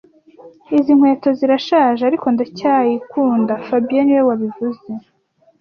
Izi nkweto zirashaje, ariko ndacyayikunda fabien niwe wabivuze